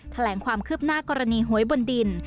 แถลงความคืบหน้ากรณีหวยบนดิน